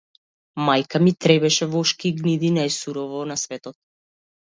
Мајка ми требеше вошки и гниди најсурово на светот.